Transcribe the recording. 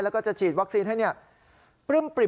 แล้วก็จะฉีดวัคซีนให้ปลื้มปริ่ม